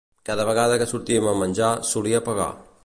Cada vegada que sortíem a menjar, solia pagar.